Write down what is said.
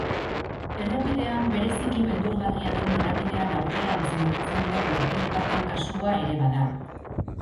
Errepidean bereziki beldurgarria den norabidean aurrerantz mugitzen den gurpil baten kasua ere bada.